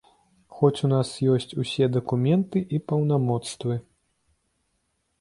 Хоць у нас ёсць усе дакументы і паўнамоцтвы.